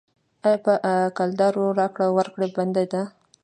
آیا په کلدارو راکړه ورکړه بنده ده؟